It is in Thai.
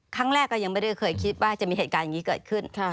ครั้งแรกก็ยังไม่ได้เคยคิดว่าจะมีเหตุการณ์อย่างนี้เกิดขึ้น